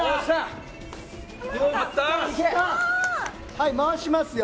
はい回しますよ